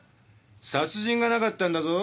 殺人がなかったんだぞ。